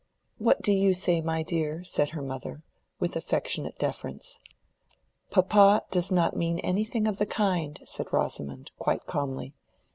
"What do you say, my dear?" said her mother, with affectionate deference. "Papa does not mean anything of the kind," said Rosamond, quite calmly.